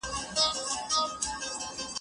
دا بیت د لوی شاعر، ارواښاد اسحاق ننګیال